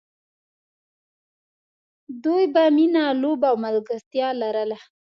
دوی به مینه، لوبه او ملګرتیا لرله.